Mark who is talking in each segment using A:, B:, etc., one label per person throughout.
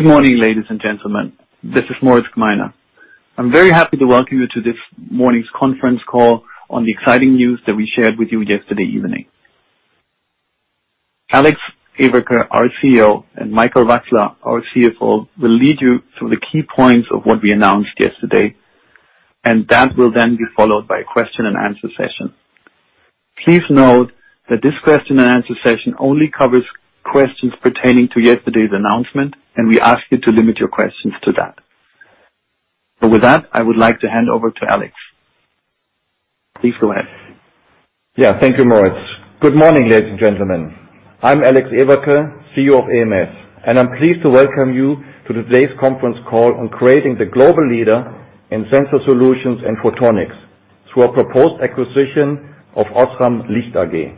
A: Good morning, ladies and gentlemen. This is Moritz Gmeiner. I am very happy to welcome you to this morning's conference call on the exciting news that we shared with you yesterday evening. Alexander Everke, our CEO, and Michael Wachsler, our CFO, will lead you through the key points of what we announced yesterday, and that will then be followed by a question and answer session. Please note that this question and answer session only covers questions pertaining to yesterday's announcement, and we ask you to limit your questions to that. With that, I would like to hand over to Alex. Please go ahead.
B: Yeah, thank you, Moritz. Good morning, ladies and gentlemen. I'm Alexander Everke, CEO of ams, and I'm pleased to welcome you to today's conference call on creating the global leader in sensor solutions and photonics through our proposed acquisition of OSRAM Licht AG.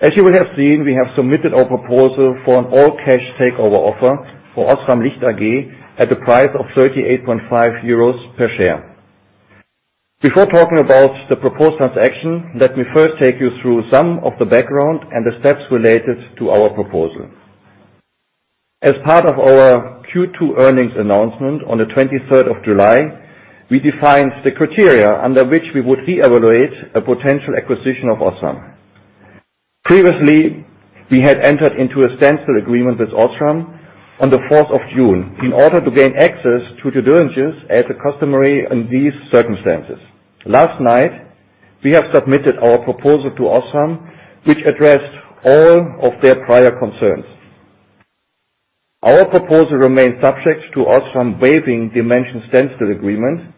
B: As you will have seen, we have submitted our proposal for an all-cash takeover offer for OSRAM Licht AG at the price of 38.5 euros per share. Before talking about the proposed transaction, let me first take you through some of the background and the steps related to our proposal. As part of our Q2 earnings announcement on the 23rd of July, we defined the criteria under which we would reevaluate a potential acquisition of Osram. Previously, we had entered into a standstill agreement with Osram on the 4th of June in order to gain access to due diligence as customary in these circumstances. Last night, we have submitted our proposal to Osram, which addressed all of their prior concerns. Our proposal remains subject to Osram waiving the mentioned standstill agreement,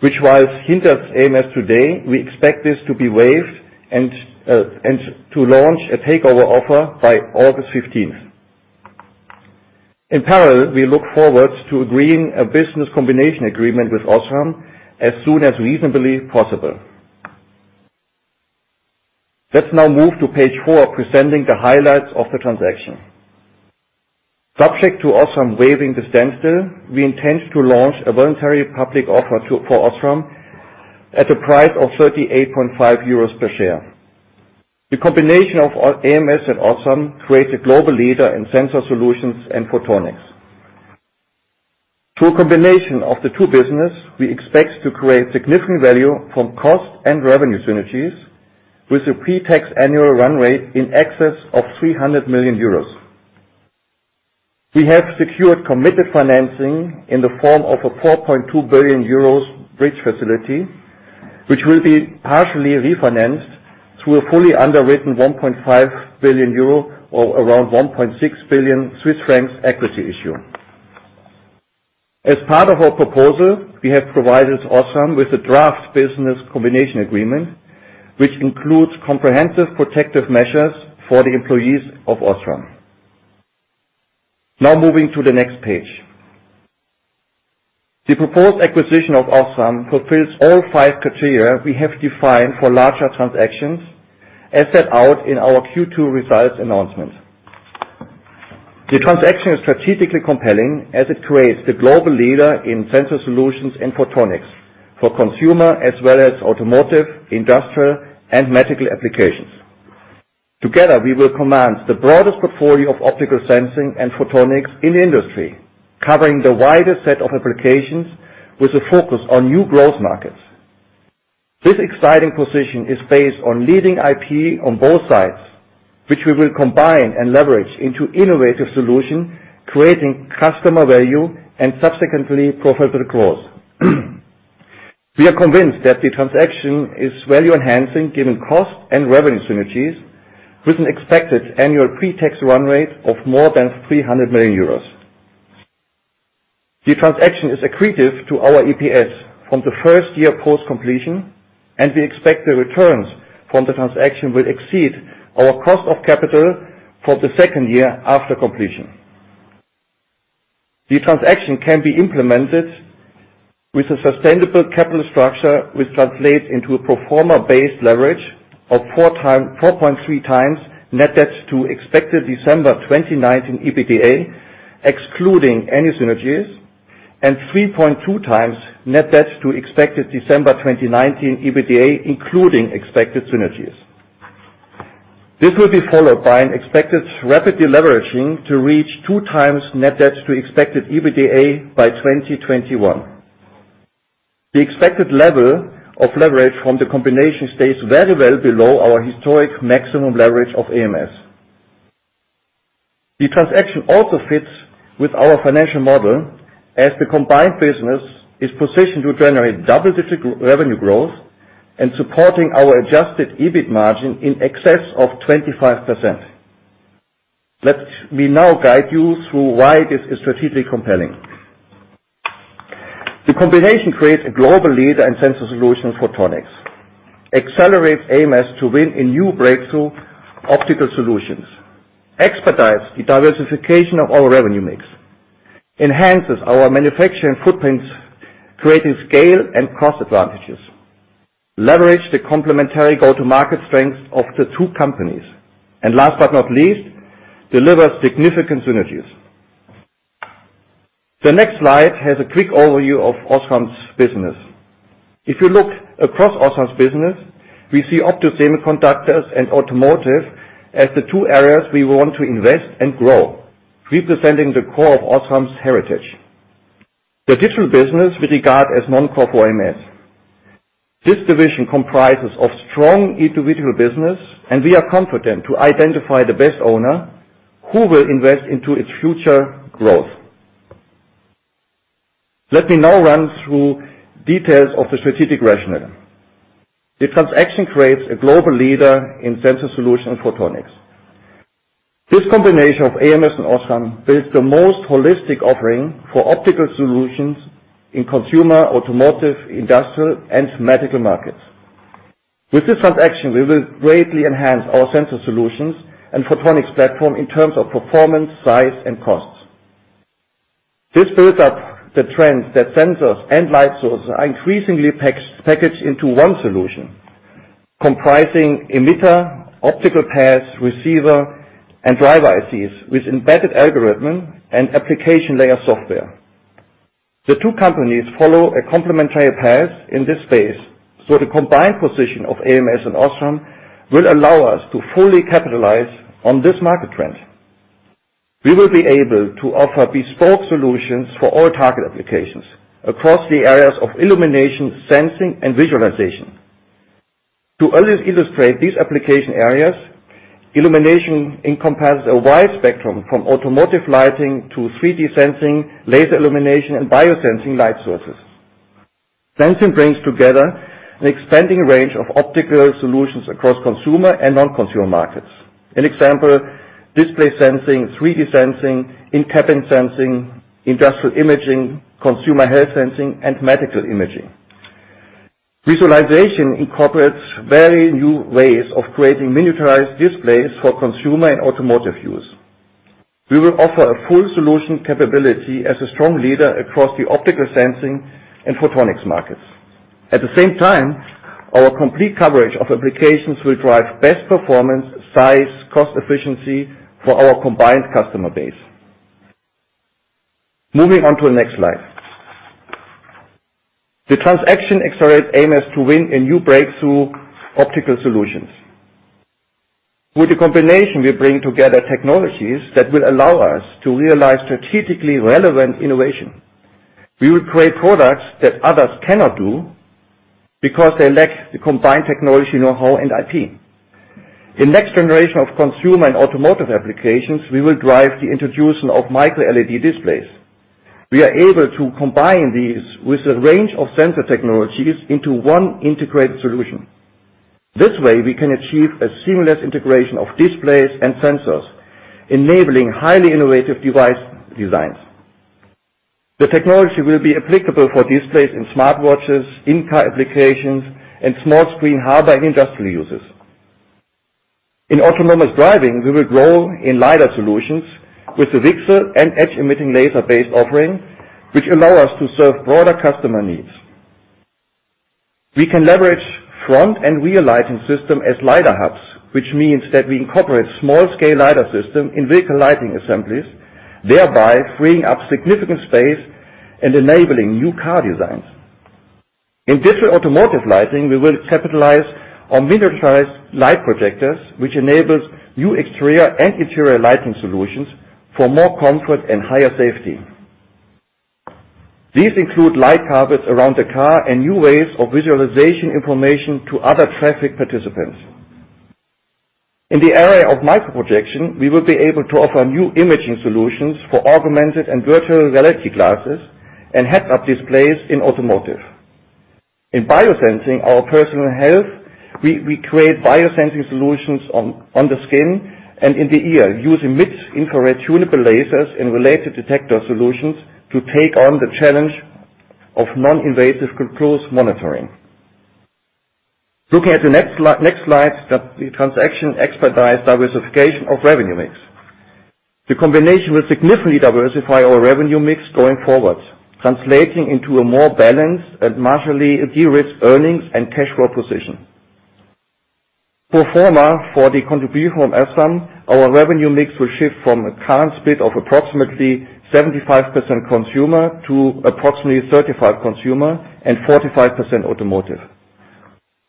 B: which whilst hinders ams today, we expect this to be waived and to launch a takeover offer by August 15th. In parallel, we look forward to agreeing a business combination agreement with Osram as soon as reasonably possible. Let's now move to page four, presenting the highlights of the transaction. Subject to Osram waiving the standstill, we intend to launch a voluntary public offer for Osram at the price of 38.5 euros per share. The combination of ams and Osram creates a global leader in sensor solutions and photonics. Through a combination of the two business, we expect to create significant value from cost and revenue synergies with a pre-tax annual run rate in excess of 300 million euros. We have secured committed financing in the form of a €4.2 billion bridge facility, which will be partially refinanced through a fully underwritten €1.5 billion or around 1.6 billion Swiss francs equity issue. As part of our proposal, we have provided Osram with a draft business combination agreement, which includes comprehensive protective measures for the employees of Osram. Moving to the next page. The proposed acquisition of Osram fulfills all five criteria we have defined for larger transactions as set out in our Q2 results announcement. The transaction is strategically compelling as it creates the global leader in sensor solutions and photonics for consumer as well as automotive, industrial, and medical applications. Together, we will command the broadest portfolio of optical sensing and photonics in the industry, covering the widest set of applications with a focus on new growth markets. This exciting position is based on leading IP on both sides, which we will combine and leverage into innovative solution, creating customer value and subsequently profitable growth. We are convinced that the transaction is value-enhancing given cost and revenue synergies with an expected annual pre-tax run rate of more than 300 million euros. The transaction is accretive to our EPS from the first year post-completion, and we expect the returns from the transaction will exceed our cost of capital for the second year after completion. The transaction can be implemented with a sustainable capital structure, which translates into a pro forma-based leverage of 4.3 times net debt to expected December 2019 EBITDA, excluding any synergies, and 3.2 times net debt to expected December 2019 EBITDA, including expected synergies. This will be followed by an expected rapid deleveraging to reach two times net debt to expected EBITDA by 2021. The expected level of leverage from the combination stays very well below our historic maximum leverage of ams. The transaction also fits with our financial model as the combined business is positioned to generate double-digit revenue growth and supporting our adjusted EBIT margin in excess of 25%. Let me now guide you through why this is strategically compelling. The combination creates a global leader in sensor solution photonics. Accelerates ams to win in new breakthrough optical solutions. Expedites the diversification of our revenue mix. Enhances our manufacturing footprints, creating scale and cost advantages. Leverages the complementary go-to-market strengths of the two companies. Last but not least, delivers significant synergies. The next slide has a quick overview of Osram's business. If you look across Osram's business, we see optosemiconductors and automotive as the two areas we want to invest and grow, representing the core of Osram's heritage. The digital business we regard as non-core for ams. This division comprises of strong individual business. We are confident to identify the best owner who will invest into its future growth. Let me now run through details of the strategic rationale. The transaction creates a global leader in sensor solution and photonics. This combination of ams and Osram builds the most holistic offering for optical solutions in consumer, automotive, industrial, and medical markets. With this transaction, we will greatly enhance our sensor solutions and photonics platform in terms of performance, size, and cost. This builds up the trend that sensors and light sources are increasingly packaged into one solution, comprising emitter, optical path, receiver, and driver ICs with embedded algorithm and application layer software. The two companies follow a complementary path in this space. The combined position of ams and Osram will allow us to fully capitalize on this market trend. We will be able to offer bespoke solutions for all target applications across the areas of illumination, sensing, and visualization. To earliest illustrate these application areas, illumination encompasses a wide spectrum from automotive lighting to 3D sensing, laser illumination, and biosensing light sources. Sensing brings together an expanding range of optical solutions across consumer and non-consumer markets. An example, display sensing, 3D sensing, in-cabin sensing, industrial imaging, consumer health sensing, and medical imaging. Visualization incorporates very new ways of creating miniaturized displays for consumer and automotive use. We will offer a full solution capability as a strong leader across the optical sensing and photonics markets. At the same time, our complete coverage of applications will drive best performance, size, cost efficiency for our combined customer base. Moving on to the next slide. The transaction accelerates ams to win in new breakthrough optical solutions. With the combination, we bring together technologies that will allow us to realize strategically relevant innovation. We will create products that others cannot do because they lack the combined technology knowhow and IP. In next generation of consumer and automotive applications, we will drive the introduction of MicroLED displays. We are able to combine these with a range of sensor technologies into one integrated solution. This way, we can achieve a seamless integration of displays and sensors, enabling highly innovative device designs. The technology will be applicable for displays in smartwatches, in-car applications, and small screen hardware in industrial uses. In autonomous driving, we will grow in lidar solutions with the VCSEL and edge-emitting laser-based offering, which allow us to serve broader customer needs. We can leverage front and rear lighting system as lidar hubs, which means that we incorporate small-scale lidar system in vehicle lighting assemblies, thereby freeing up significant space and enabling new car designs. In digital automotive lighting, we will capitalize on miniaturized light projectors, which enables new exterior and interior lighting solutions for more comfort and higher safety. These include light carpets around the car and new ways of visualization information to other traffic participants. In the area of micro projection, we will be able to offer new imaging solutions for augmented and virtual reality glasses and head-up displays in automotive. In biosensing our personal health, we create biosensing solutions on the skin and in the ear using mid-infrared tunable lasers and related detector solutions to take on the challenge of non-invasive glucose monitoring. Looking at the next slide, the transaction expedites diversification of revenue mix. The combination will significantly diversify our revenue mix going forward, translating into a more balanced and marginally de-risked earnings and cash flow position. Pro forma for the contribution from Osram, our revenue mix will shift from a current split of approximately 75% consumer to approximately 35 consumer and 45% automotive.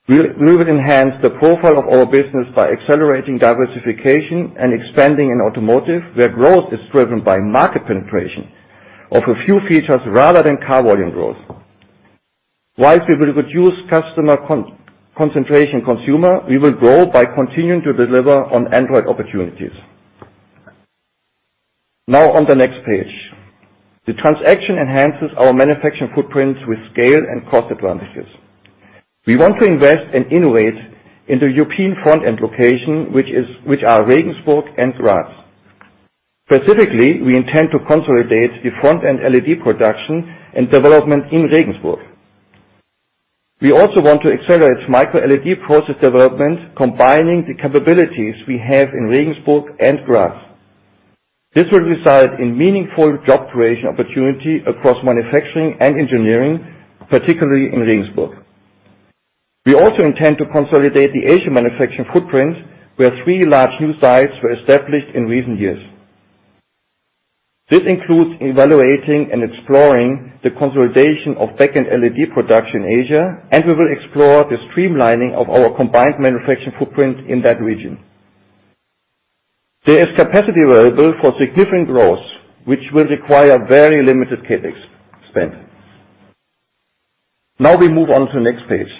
B: We will enhance the profile of our business by accelerating diversification and expanding in automotive, where growth is driven by market penetration of a few features rather than car volume growth. Whilst we will reduce customer concentration consumer, we will grow by continuing to deliver on Android opportunities. On the next page. The transaction enhances our manufacturing footprints with scale and cost advantages. We want to invest and innovate in the European front-end location, which are Regensburg and Graz. Specifically, we intend to consolidate the front-end LED production and development in Regensburg. We also want to accelerate MicroLED process development, combining the capabilities we have in Regensburg and Graz. This will result in meaningful job creation opportunity across manufacturing and engineering, particularly in Regensburg. We also intend to consolidate the Asian manufacturing footprints, where three large new sites were established in recent years. This includes evaluating and exploring the consolidation of backend LED production Asia, and we will explore the streamlining of our combined manufacturing footprint in that region. There is capacity available for significant growth, which will require very limited CapEx spend. Now we move on to the next page.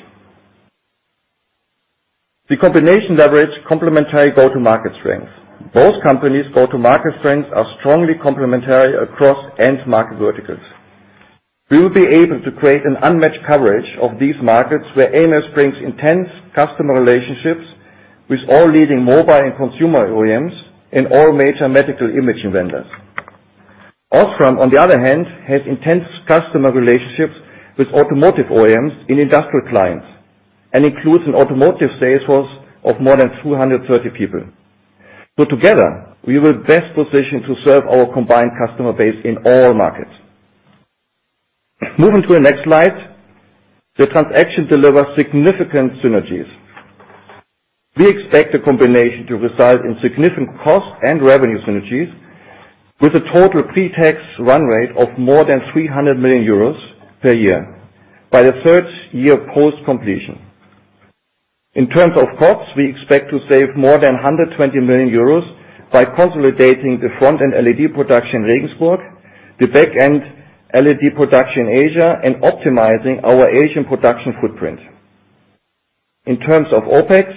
B: The combination leverage complementary go-to-market strengths. Both companies' go-to-market strengths are strongly complementary across end market verticals. We will be able to create an unmatched coverage of these markets, where ams brings intense customer relationships with all leading mobile and consumer OEMs and all major medical imaging vendors. Osram, on the other hand, has intense customer relationships with automotive OEMs and industrial clients, and includes an automotive sales force of more than 230 people. Together, we are best positioned to serve our combined customer base in all markets. Moving to the next slide. The transaction delivers significant synergies. We expect the combination to result in significant cost and revenue synergies with a total pre-tax run rate of more than 300 million euros per year by the third year post-completion. In terms of costs, we expect to save more than 120 million euros by consolidating the front-end LED production in Regensburg, the back-end LED production in Asia, and optimizing our Asian production footprint. In terms of OpEx,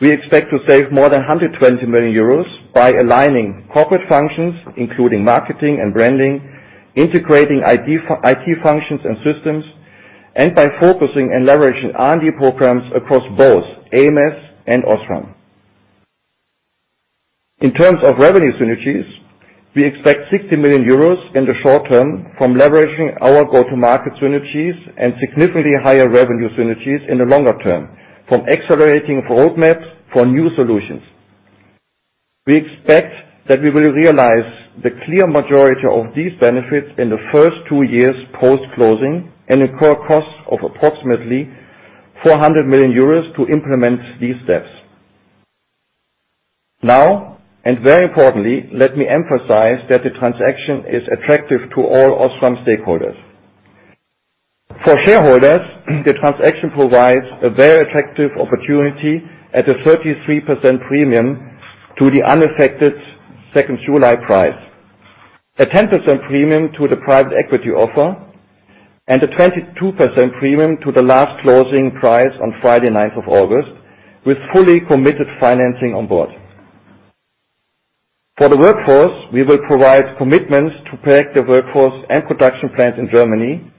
B: we expect to save more than 120 million euros by aligning corporate functions, including marketing and branding, integrating IT functions and systems, and by focusing and leveraging R&D programs across both ams and Osram. In terms of revenue synergies, we expect 60 million euros in the short term from leveraging our go-to-market synergies and significantly higher revenue synergies in the longer term from accelerating roadmaps for new solutions. We expect that we will realize the clear majority of these benefits in the first two years post-closing and incur costs of approximately 400 million euros to implement these steps. Very importantly, let me emphasize that the transaction is attractive to all Osram stakeholders. For shareholders, the transaction provides a very attractive opportunity at a 33% premium to the unaffected 2nd July price, a 10% premium to the private equity offer, and a 22% premium to the last closing price on Friday, 9th of August, with fully committed financing on board. For the workforce, we will provide commitments to protect the workforce and production plants in Germany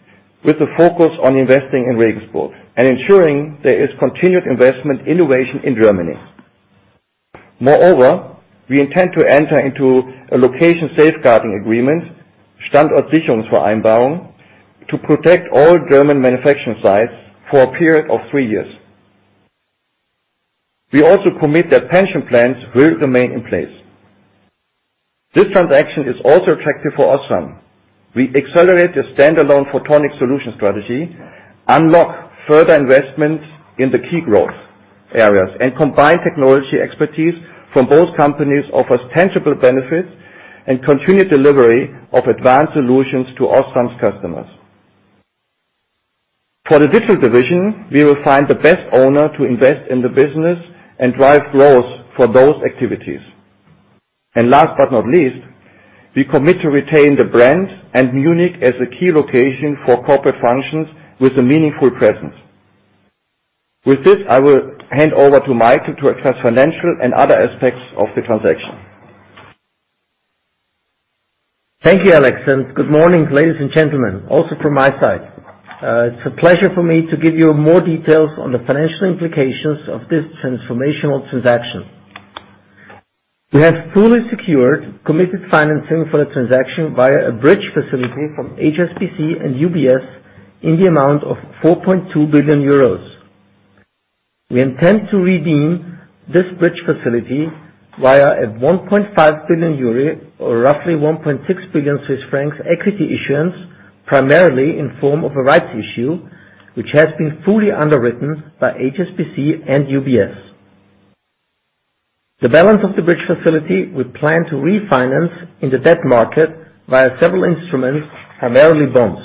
B: with a focus on investing in Regensburg and ensuring there is continued investment innovation in Germany. Moreover, we intend to enter into a location safeguarding agreement, Standort-Sicherungs-Vereinbarung, to protect all German manufacturing sites for a period of three years. We also commit that pension plans will remain in place. This transaction is also attractive for Osram. We accelerate the standalone photonic solution strategy, unlock further investment in the key growth areas, and combine technology expertise from both companies, offers tangible benefits, and continued delivery of advanced solutions to Osram's customers. For the digital division, we will find the best owner to invest in the business and drive growth for those activities. Last but not least, we commit to retain the brand and Munich as a key location for corporate functions with a meaningful presence. With this, I will hand over to Michael to address financial and other aspects of the transaction.
C: Thank you, Alex, and good morning, ladies and gentlemen. Also from my side. It's a pleasure for me to give you more details on the financial implications of this transformational transaction. We have fully secured committed financing for the transaction via a bridge facility from HSBC and UBS in the amount of €4.2 billion. We intend to redeem this bridge facility via a €1.5 billion or roughly 1.6 billion Swiss francs equity issuance, primarily in form of a rights issue, which has been fully underwritten by HSBC and UBS. The balance of the bridge facility we plan to refinance in the debt market via several instruments, primarily bonds.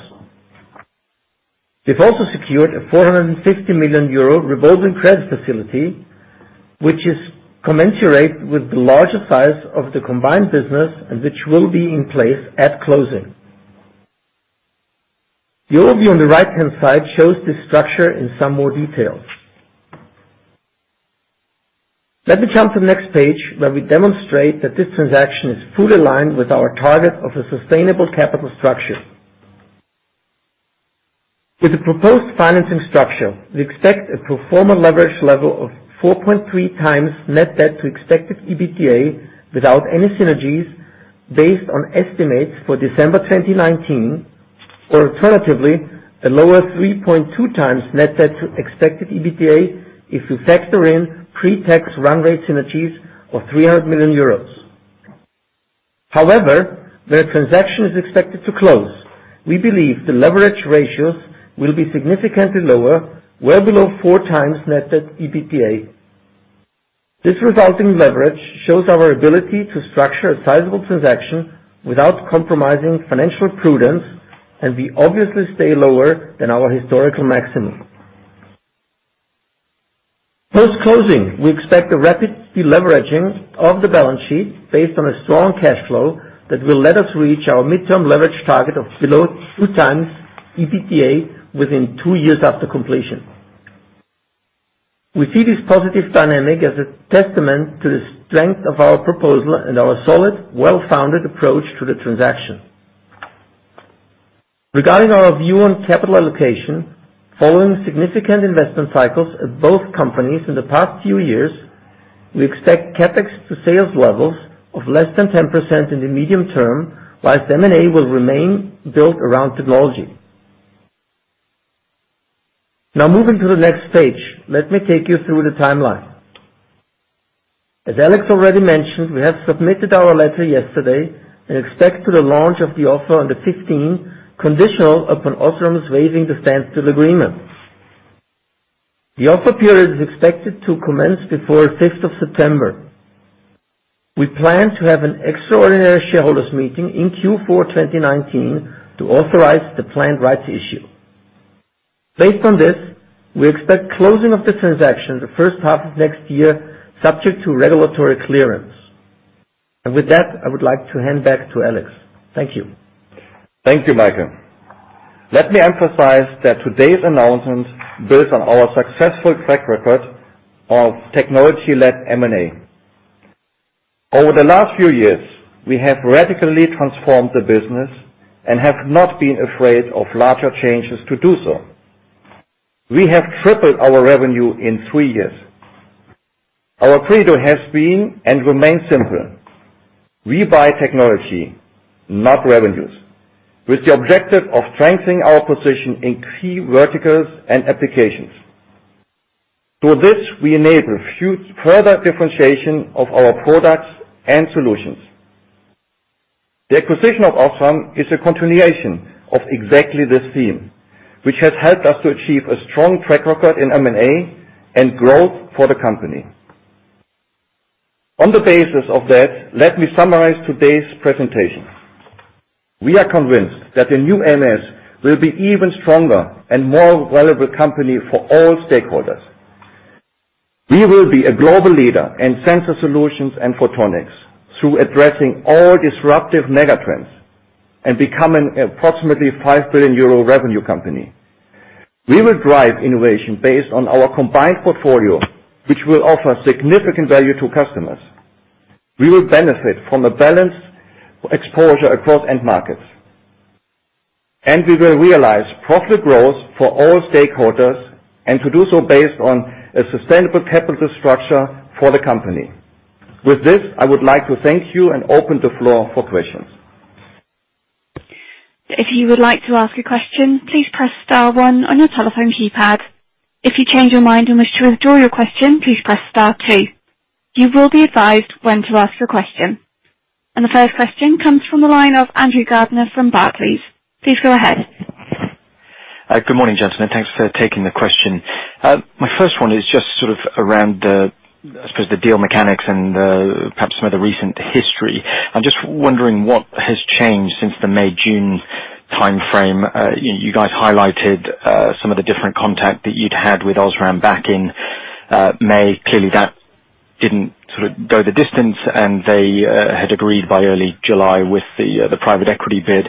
C: We've also secured a €450 million revolving credit facility, which is commensurate with the larger size of the combined business and which will be in place at closing. The overview on the right-hand side shows the structure in some more detail. Let me jump to the next page, where we demonstrate that this transaction is fully aligned with our target of a sustainable capital structure. With the proposed financing structure, we expect a pro forma leverage level of 4.3 times net debt to expected EBITDA without any synergies based on estimates for December 2019. Alternatively, a lower 3.2 times net debt to expected EBITDA if you factor in pre-tax run rate synergies of 300 million euros. However, when a transaction is expected to close, we believe the leverage ratios will be significantly lower, well below four times net debt EBITDA. This resulting leverage shows our ability to structure a sizable transaction without compromising financial prudence, and we obviously stay lower than our historical maximum. Post-closing, we expect a rapid deleveraging of the balance sheet based on a strong cash flow that will let us reach our midterm leverage target of below 2 times EBITDA within two years after completion. We see this positive dynamic as a testament to the strength of our proposal and our solid, well-founded approach to the transaction. Regarding our view on capital allocation, following significant investment cycles at both companies in the past few years, we expect CapEx to sales levels of less than 10% in the medium term, whilst M&A will remain built around technology. Moving to the next page, let me take you through the timeline. As Alex already mentioned, we have submitted our letter yesterday and expect the launch of the offer on the 15th, conditional upon Osram's waiving the standstill agreement. The offer period is expected to commence before the 5th of September. We plan to have an extraordinary shareholders meeting in Q4 2019 to authorize the planned rights issue. Based on this, we expect closing of the transaction the first half of next year, subject to regulatory clearance. With that, I would like to hand back to Alex. Thank you.
B: Thank you, Michael. Let me emphasize that today's announcement builds on our successful track record of technology-led M&A. Over the last few years, we have radically transformed the business and have not been afraid of larger changes to do so. We have tripled our revenue in three years. Our credo has been and remains simple. We buy technology, not revenues, with the objective of strengthening our position in key verticals and applications. Through this, we enable further differentiation of our products and solutions. The acquisition of Osram is a continuation of exactly this theme, which has helped us to achieve a strong track record in M&A and growth for the company. On the basis of that, let me summarize today's presentation. We are convinced that the new ams will be even stronger and more valuable company for all stakeholders. We will be a global leader in sensor solutions and photonics through addressing all disruptive megatrends and become an approximately 5 billion euro revenue company. We will drive innovation based on our combined portfolio, which will offer significant value to customers. We will benefit from a balanced exposure across end markets. We will realize profit growth for all stakeholders, and to do so based on a sustainable capital structure for the company. With this, I would like to thank you and open the floor for questions.
D: If you would like to ask a question, please press star one on your telephone keypad. If you change your mind and wish to withdraw your question, please press star two. You will be advised when to ask your question. The first question comes from the line of Andrew Gardiner from Barclays. Please go ahead.
E: Good morning, gentlemen. Thanks for taking the question. My first one is just sort of around the, I suppose, the deal mechanics and perhaps some of the recent history. I'm just wondering what has changed since the May-June timeframe. You guys highlighted some of the different contact that you'd had with Osram back in May. That didn't go the distance and they had agreed by early July with the private equity bid.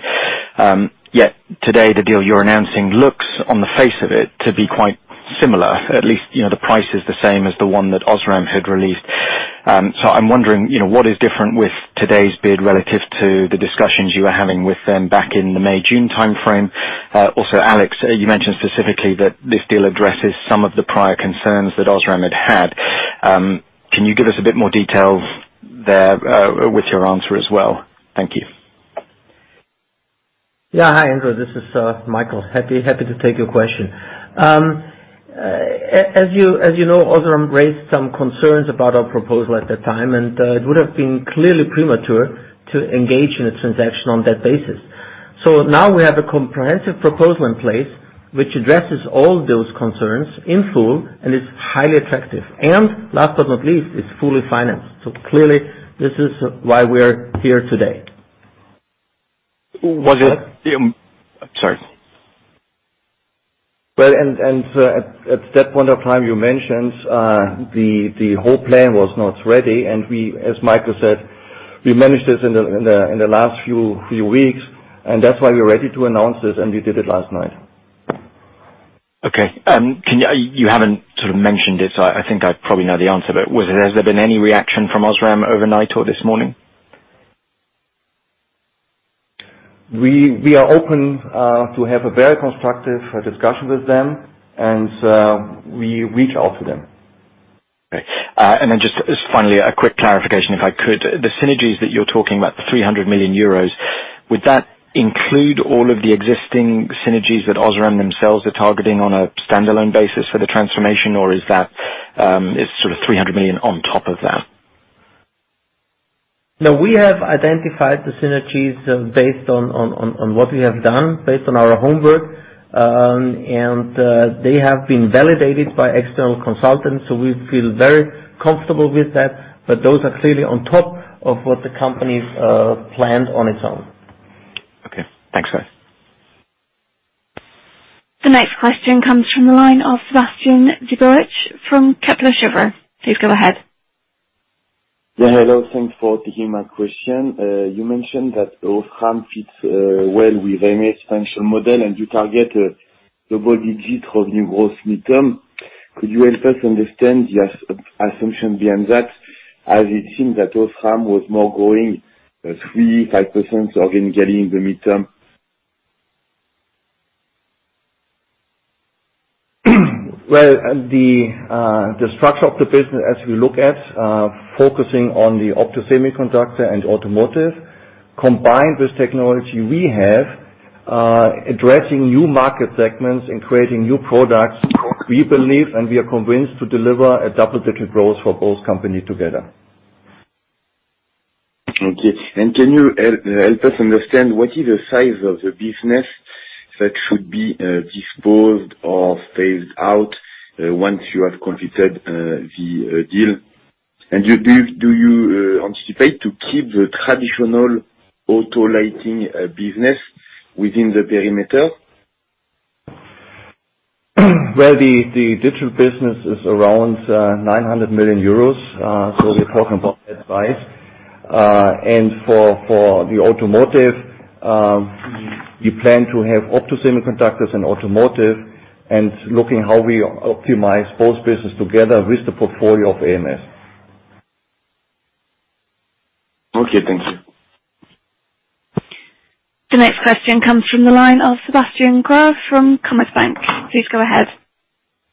E: Today, the deal you're announcing looks on the face of it to be quite similar. The price is the same as the one that Osram had released. I'm wondering, what is different with today's bid relative to the discussions you were having with them back in the May-June timeframe? Alex, you mentioned specifically that this deal addresses some of the prior concerns that Osram had had. Can you give us a bit more details there with your answer as well? Thank you.
C: Yeah. Hi, Andrew. This is Michael. Happy to take your question. As you know, Osram raised some concerns about our proposal at that time, and it would have been clearly premature to engage in a transaction on that basis. Now we have a comprehensive proposal in place which addresses all those concerns in full and is highly attractive. Last but not least, it's fully financed. Clearly this is why we are here today.
B: Well, at that point of time you mentioned the whole plan was not ready, and as Michael said, we managed this in the last few weeks, and that's why we're ready to announce this, and we did it last night.
E: Okay. You haven't sort of mentioned it, so I think I probably know the answer, but has there been any reaction from Osram overnight or this morning?
B: We are open to have a very constructive discussion with them, and we reach out to them.
E: Okay. Then just finally, a quick clarification, if I could. The synergies that you're talking about, the 300 million euros? Would that include all of the existing synergies that Osram themselves are targeting on a standalone basis for the transformation, or is that sort of 300 million on top of that?
B: No, we have identified the synergies based on what we have done, based on our homework. They have been validated by external consultants, so we feel very comfortable with that. Those are clearly on top of what the company’s planned on its own.
E: Okay. Thanks, guys.
D: The next question comes from the line of Sébastien Sztabowicz from Kepler Cheuvreux. Please go ahead.
F: Yeah. Hello. Thanks for taking my question. You mentioned that Osram fits well with ams' functional model, and you target a double-digit revenue growth midterm. Could you help us understand the assumption behind that, as it seems that Osram was more growing three%, five% organic during the midterm?
B: Well, the structure of the business as we look at, focusing on the optosemiconductor and automotive, combined with technology we have, addressing new market segments and creating new products, we believe, and we are convinced, to deliver a double-digit growth for both companies together.
F: Okay. Can you help us understand what is the size of the business that should be disposed or phased out once you have completed the deal? Do you anticipate to keep the traditional auto lighting business within the perimeter?
B: Well, the digital business is around 900 million euros, so we're talking about that size. For the automotive, we plan to have optosemiconductors and automotive and looking how we optimize both business together with the portfolio of ams.
F: Okay, thank you.
D: The next question comes from the line of Sebastian Growe from Commerzbank. Please go ahead.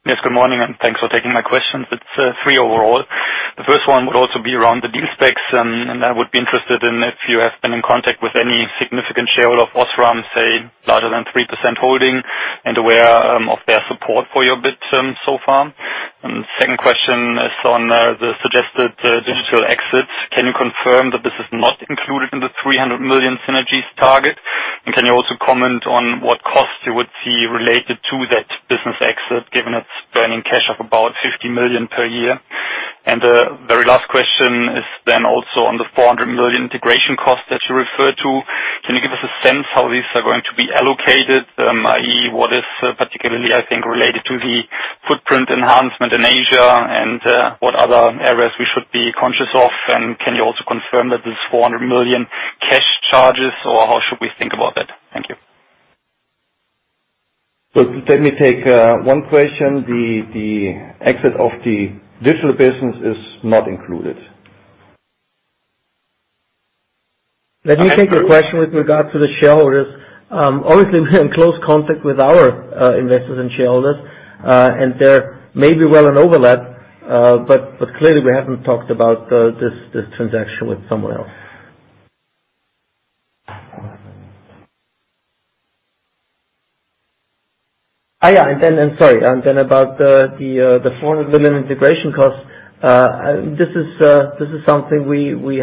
G: Yes, good morning, and thanks for taking my questions. It's three overall. The first one would also be around the deal specs, and I would be interested in if you have been in contact with any significant shareholder of Osram, say larger than 3% holding, and aware of their support for your bid so far. The second question is on the suggested DI exit. Can you confirm that this is not included in the 300 million synergies target? Can you also comment on what costs you would see related to that business exit, given its burning cash of about 50 million per year? The very last question is then also on the 400 million integration cost that you referred to. Can you give us a sense how these are going to be allocated? I.e., what is particularly, I think, related to the footprint enhancement in Asia and what other areas we should be conscious of, and can you also confirm that this 400 million cash charges, or how should we think about that? Thank you.
B: Let me take one question. The exit of the digital business is not included. Let me take a question with regard to the shareholders. Obviously, we're in close contact with our investors and shareholders. There may be well an overlap. Clearly we haven't talked about this transaction with someone else. Yeah. Then, sorry. Then about the EUR 400 million integration cost. This is something we believe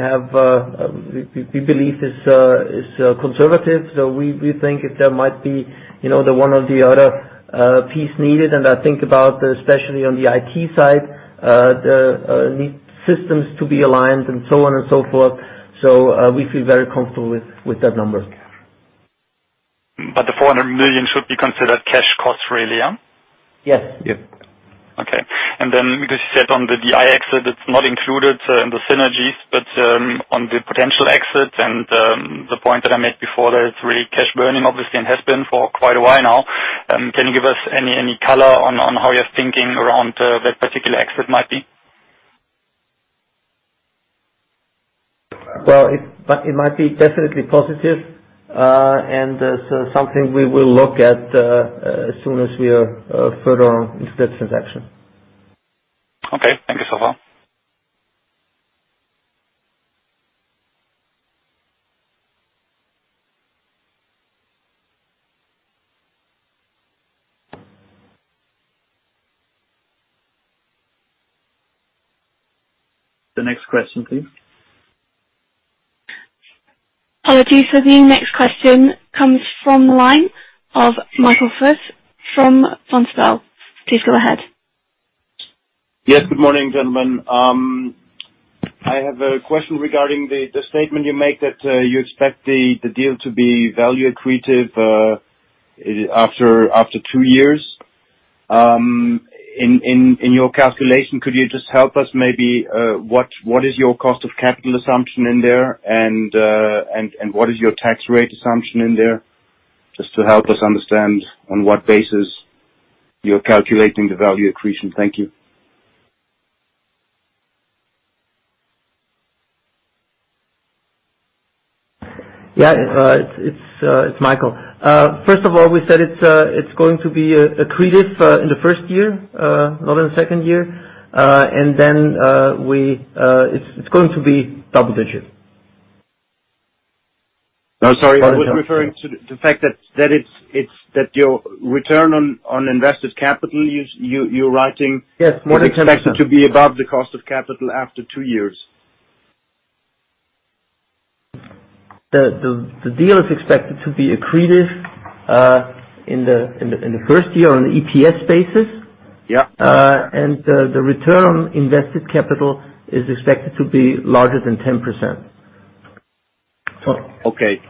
B: is conservative. We think if there might be the one or the other piece needed, and I think about especially on the IT side, need systems to be aligned and so on and so forth. We feel very comfortable with that number.
G: The 400 million should be considered cash costs really, yeah?
C: Yes. Yes.
G: Okay. Because you said on the DI exit, it's not included in the synergies, but on the potential exit and the point that I made before, that it's really cash burning, obviously, and has been for quite a while now, can you give us any color on how your thinking around that particular exit might be?
B: Well, it might be definitely positive, and something we will look at as soon as we are further on in that transaction.
G: Okay. Thank you so far.
B: The next question, please.
D: Apologies. The next question comes from the line of Michael Foeth from Vontobel. Please go ahead.
H: Yes. Good morning, gentlemen. I have a question regarding the statement you make that you expect the deal to be value accretive after two years. In your calculation, could you just help us maybe, what is your cost of capital assumption in there, and what is your tax rate assumption in there? Just to help us understand on what basis you're calculating the value accretion. Thank you.
C: Yeah. It's Michael. First of all, we said it's going to be accretive in the first year, not in the second year. It's going to be double digits.
H: No, sorry. I was referring to the fact that your return on invested capital.
C: Yes, more than 10%.
H: is expected to be above the cost of capital after two years.
C: The deal is expected to be accretive in the first year on an EPS basis.
H: Yeah.
C: The return on invested capital is expected to be larger than 10%.
H: Okay.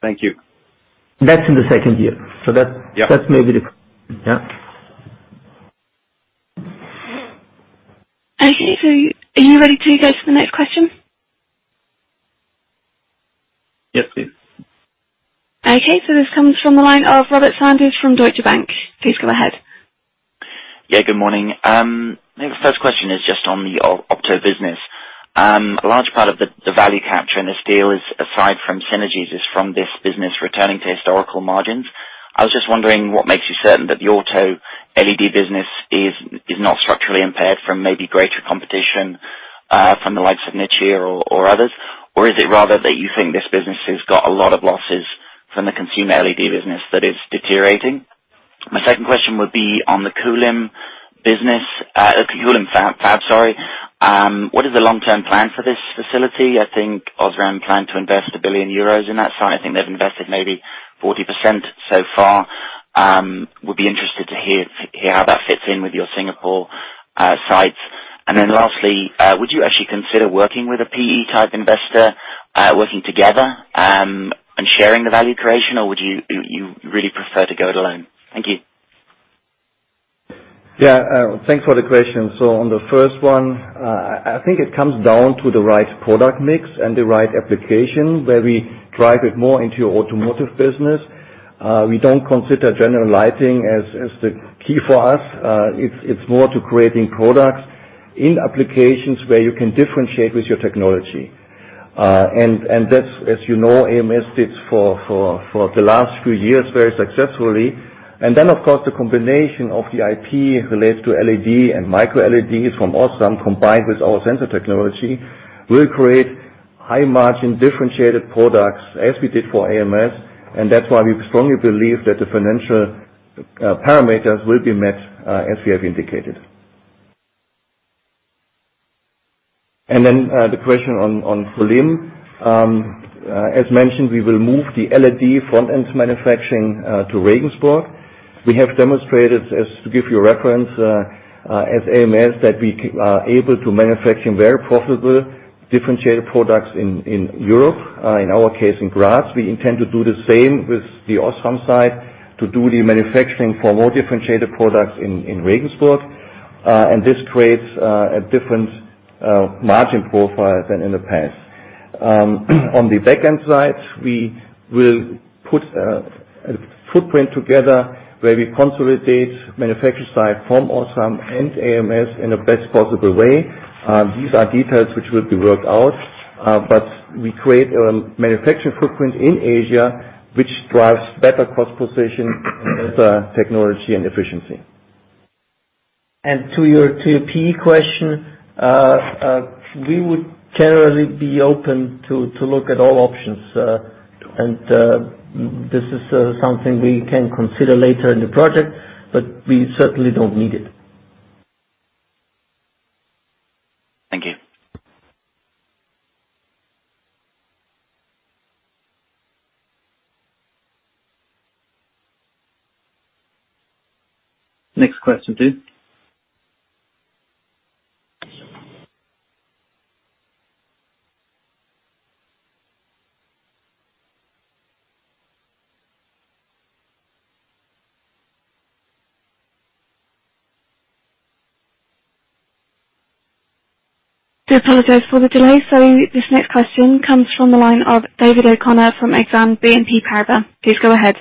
H: Thank you.
C: That's in the second year. Yeah. That's maybe the Yeah.
D: Okay. Are you ready to go to the next question?
B: Yes, please.
D: Okay. This comes from the line of Robert Sanders from Deutsche Bank. Please go ahead.
I: Yeah, good morning. The first question is just on the auto business. A large part of the value capture in this deal is, aside from synergies, is from this business returning to historical margins. I was just wondering what makes you certain that the auto LED business is not structurally impaired from maybe greater competition, from the likes of Nichia or others? Is it rather that you think this business has got a lot of losses from the consumer LED business that is deteriorating? My second question would be on the Kulim business, Kulim fab, sorry. What is the long-term plan for this facility? I think Osram planned to invest 1 billion euros in that site. I think they've invested maybe 40% so far. Would be interested to hear how that fits in with your Singapore sites. Then lastly, would you actually consider working with a PE type investor, working together, and sharing the value creation, or would you really prefer to go it alone? Thank you.
B: Thanks for the question. On the first one, I think it comes down to the right product mix and the right application where we drive it more into your automotive business. We don't consider general lighting as the key for us. It's more to creating products in applications where you can differentiate with your technology. That's, as you know, ams did for the last few years very successfully. Of course, the combination of the IP related to LED and MicroLEDs from Osram, combined with our sensor technology, will create high margin, differentiated products as we did for ams. That's why we strongly believe that the financial parameters will be met, as we have indicated. The question on Kulim. As mentioned, we will move the LED front-end manufacturing to Regensburg. We have demonstrated, to give you a reference, as ams, that we are able to manufacture very profitable differentiated products in Europe, in our case, in Graz. We intend to do the same with the Osram site to do the manufacturing for more differentiated products in Regensburg. This creates a different margin profile than in the past. On the back-end side, we will put a footprint together where we consolidate manufacture site from Osram and ams in the best possible way. These are details which will be worked out, but we create a manufacture footprint in Asia, which drives better cost position with the technology and efficiency.
C: To your PE question, we would generally be open to look at all options. This is something we can consider later in the project, but we certainly don't need it.
I: Thank you.
B: Next question, please.
D: Do apologize for the delay. This next question comes from the line of David O'Connor from Exane BNP Paribas. Please go ahead.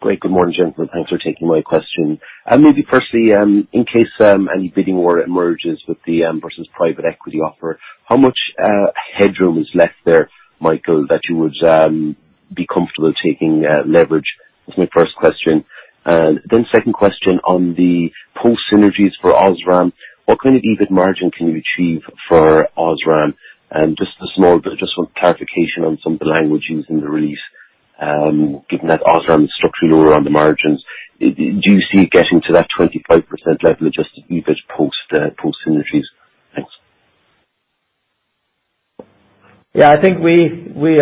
J: Great. Good morning, gentlemen. Thanks for taking my question. Maybe firstly, in case any bidding war emerges with the Ampersand's private equity offer, how much headroom is left there, Michael, that you would be comfortable taking leverage? That's my first question. Second question on the post synergies for Osram. What kind of EBIT margin can you achieve for Osram? Just a small bit, just for clarification on some of the language used in the release, given that Osram is structurally lower on the margins, do you see getting to that 25% level of adjusted EBIT post synergies? Thanks.
C: Yeah. I think we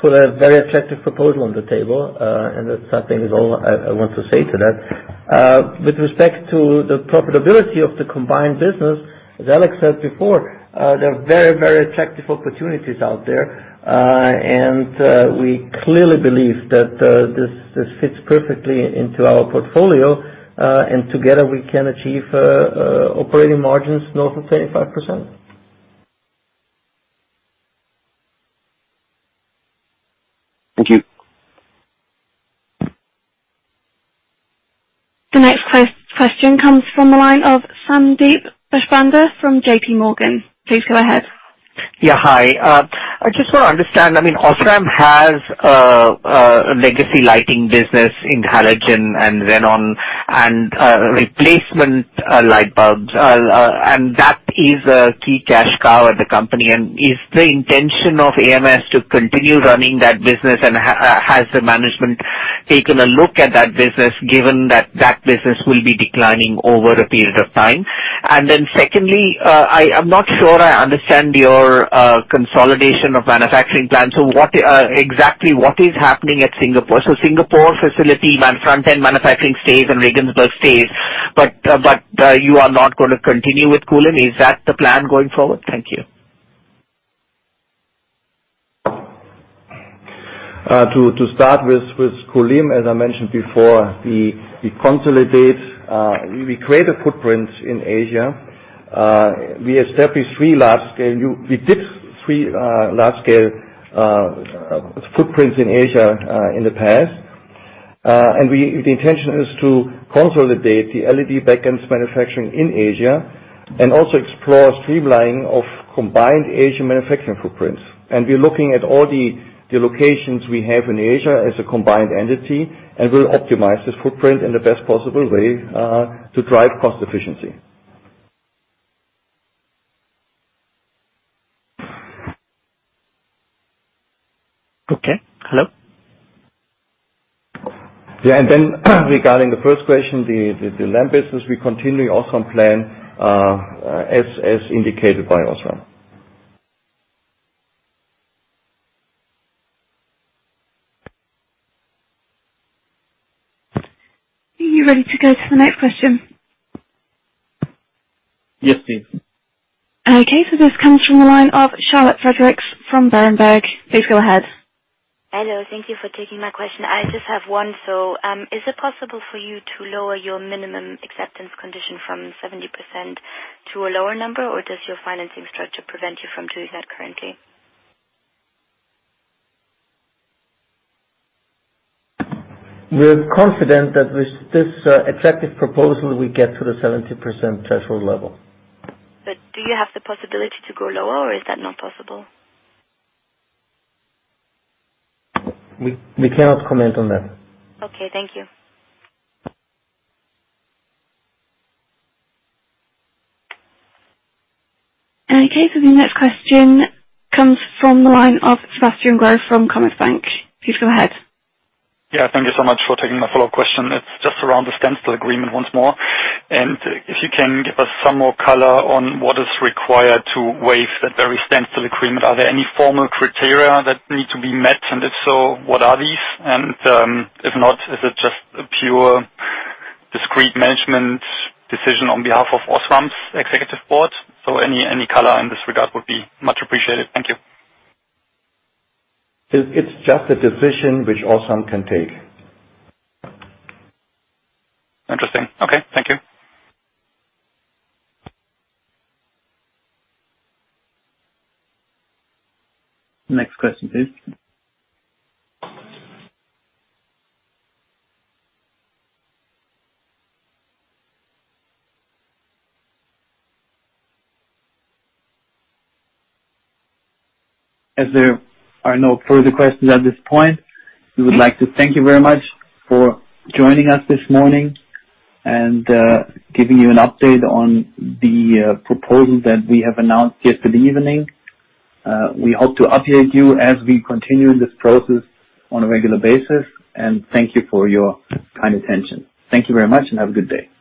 C: put a very attractive proposal on the table, and that's something that all I want to say to that. With respect to the profitability of the combined business, as Alex said before, there are very, very attractive opportunities out there. We clearly believe that this fits perfectly into our portfolio, and together we can achieve operating margins north of 25%.
J: Thank you.
D: The next question comes from the line of Sandeep Deshpande from JPMorgan. Please go ahead.
K: Yeah, hi. I just want to understand, Osram has a legacy lighting business in halogen and xenon and replacement light bulbs, and that is a key cash cow at the company. Is the intention of ams to continue running that business, and has the management taken a look at that business given that business will be declining over a period of time? Secondly, I'm not sure I understand your consolidation of manufacturing plants. Exactly what is happening at Singapore? Singapore facility, front-end manufacturing stays and Regensburg stays, but you are not going to continue with Kulim. Is that the plan going forward? Thank you.
B: To start with Kulim, as I mentioned before, we create a footprint in Asia. We did three large-scale footprints in Asia in the past. The intention is to consolidate the LED backends manufacturing in Asia and also explore streamlining of combined Asia manufacturing footprints. We're looking at all the locations we have in Asia as a combined entity, and we'll optimize this footprint in the best possible way to drive cost efficiency.
K: Okay. Hello?
B: Yeah. Regarding the first question, the lamp business, we continue the Osram plan as indicated by Osram.
D: Are you ready to go to the next question?
B: Yes, please.
D: Okay. This comes from the line of Charlotte Friedrichs from Berenberg. Please go ahead.
L: Hello. Thank you for taking my question. I just have one. Is it possible for you to lower your minimum acceptance condition from 70% to a lower number, or does your financing structure prevent you from doing that currently?
B: We're confident that with this attractive proposal, we get to the 70% threshold level.
L: Do you have the possibility to go lower, or is that not possible?
B: We cannot comment on that.
L: Okay. Thank you.
D: Okay. The next question comes from the line of Sebastian Growe from Commerzbank. Please go ahead.
G: Thank you so much for taking my follow-up question. It's just around the standstill agreement once more. If you can give us some more color on what is required to waive that very standstill agreement. Are there any formal criteria that need to be met? If so, what are these? If not, is it just a pure discreet management decision on behalf of Osram's executive board? Any color in this regard would be much appreciated. Thank you.
B: It's just a decision which Osram can take.
G: Interesting. Okay. Thank you.
B: Next question, please. As there are no further questions at this point, we would like to thank you very much for joining us this morning and giving you an update on the proposal that we have announced yesterday evening. We hope to update you as we continue this process on a regular basis, and thank you for your kind attention. Thank you very much, and have a good day.